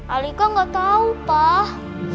alika enggak tahu pak